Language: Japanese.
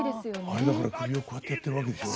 あれだから首をこうやってやってるわけでしょ。